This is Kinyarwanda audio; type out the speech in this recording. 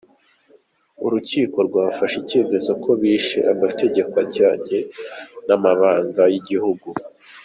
urukiko rwafashe icyemezo ko bishe amategeko ajyanye n'amabanga y'igihugu.